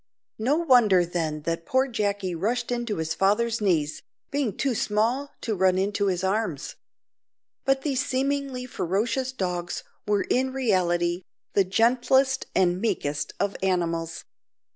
No wonder then that poor Jacky rushed into his father's knees, being too small to run into his arms. But these seemingly ferocious dogs were in reality the gentlest and meekest of animals.